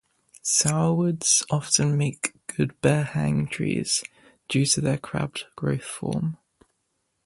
Sourwoods often make good bear hang trees due to their crabbed growth form.